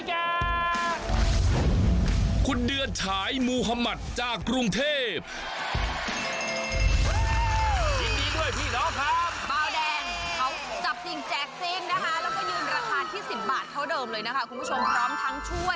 แล้วก็ยืนราคาที่สิบบาทเท่าเดิมเลยนะคะคุณผู้ชมพร้อมทั้งช่วย